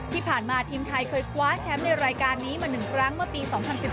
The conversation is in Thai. ที่ผ่านมาทีมไทยเคยคว้าแชมป์ในรายการนี้มา๑ครั้งเมื่อปี๒๐๑๙